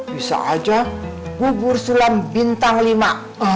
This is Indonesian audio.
bisa aja bubur sulam bintang lima